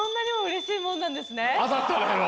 当たったらやろ？